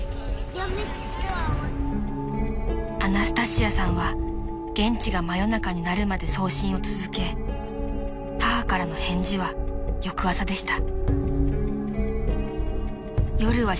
［アナスタシアさんは現地が真夜中になるまで送信を続け母からの返事は翌朝でした］